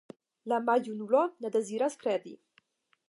La maljunulo ne deziras kredi.